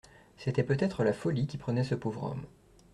C'était peut-être la folie qui prenait ce pauvre homme.